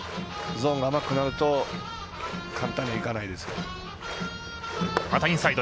ゾーンが甘くなると簡単にはいかないですよ。